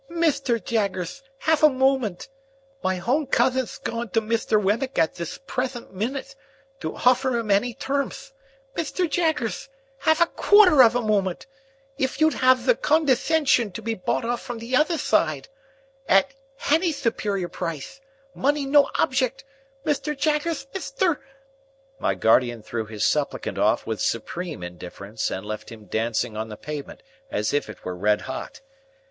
"Mithter Jaggerth! Half a moment! My hown cuthen'th gone to Mithter Wemmick at thith prethent minute, to hoffer him hany termth. Mithter Jaggerth! Half a quarter of a moment! If you'd have the condethenthun to be bought off from the t'other thide—at hany thuperior prithe!—money no object!—Mithter Jaggerth—Mithter—!" My guardian threw his supplicant off with supreme indifference, and left him dancing on the pavement as if it were red hot.